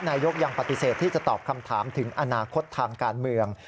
นายกยังปฏิเสธที่จะตอบคำถามถึงอนาคตทางการเมือง